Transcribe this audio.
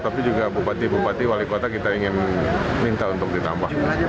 tapi juga bupati bupati wali kota kita ingin minta untuk ditambah